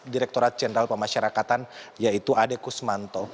direkturat jenderal pemasyarakatan yaitu ade kusmanto